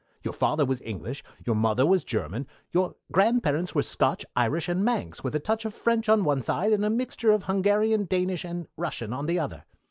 Your father was English; your mother was German. Your grandparents were Scotch, Irish, and Manx, with a touch of French on one side, and a mixture of Hungarian, Danish, and Russian on the other.